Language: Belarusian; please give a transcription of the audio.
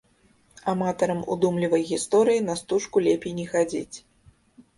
Аматарам удумлівай гісторыі на стужку лепей не хадзіць.